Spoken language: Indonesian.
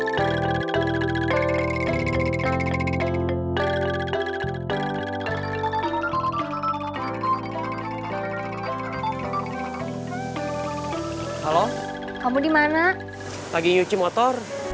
sahabat rintangan latar